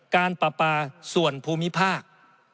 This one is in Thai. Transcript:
การปราปาส่วนภูมิภาค